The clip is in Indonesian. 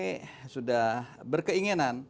kami sudah berkeinginan